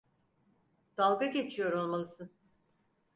Dalga geçiyor olmalısın.